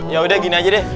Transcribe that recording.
ya udah gini aja deh